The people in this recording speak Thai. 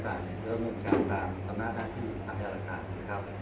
เค้าจะมึงกาลความทำหน้าท่านที่อาหารละครับ